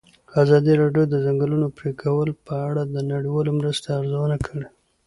ازادي راډیو د د ځنګلونو پرېکول په اړه د نړیوالو مرستو ارزونه کړې.